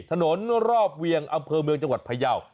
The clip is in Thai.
ถนนรอบเวียงอำเภอเมืองจังหวัดพยาว